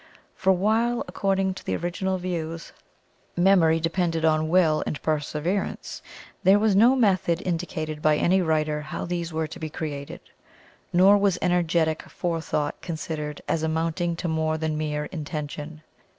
For while, according to the original views, Memory depended on Will and Perseverance, there was no method indicated by any writer how these were to be created, nor was energetic Forethought considered as amounting to more than mere Intention.